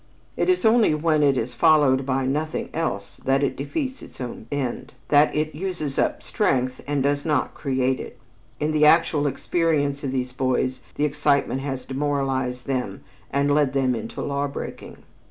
It is only when it is followed by nothing else that it defeats its own end, that it uses up strength and does not create it. In the actual experience of these boys the excitement has demoralized them and led them into law breaking.